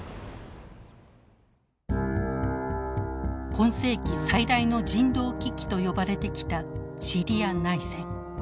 今世紀最大の人道危機と呼ばれてきたシリア内戦。